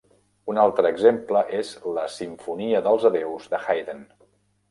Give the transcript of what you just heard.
Un altre exemple és la "Simfonia dels adéus" de Haydn.